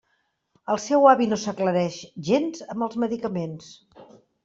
El seu avi no s'aclareix gens amb els medicaments.